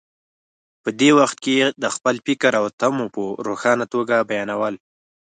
په دې وخت کې د خپل فکر او تمو په روښانه توګه بیانول.